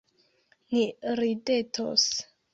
Ni ridetos.